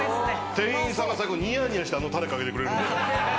店員さんが最後ニヤニヤしてあのたれかけてくれる。